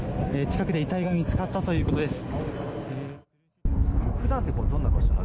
近くで遺体が見つかったということです。